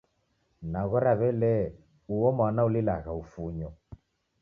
Naghora w'elee, uo mwana ulilagha ufunyo.